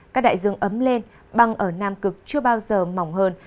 các đại dương ấm lên băng ở nam cực chưa bao giờ mỏng hơn